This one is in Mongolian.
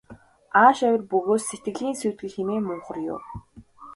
Ааш авир бөгөөс сэтгэлийн сүйтгэл хэмээн мунхар юу.